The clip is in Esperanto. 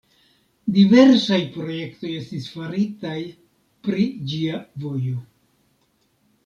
Diversaj projektoj estis faritaj pri ĝia vojo.